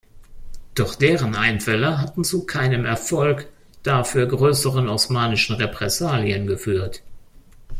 Doch deren Einfälle hatten zu keinem Erfolg, dafür größeren osmanischen Repressalien geführt.